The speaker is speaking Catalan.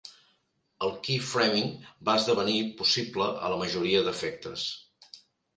El "keyframing" va esdevenir possible a la majoria d'efectes.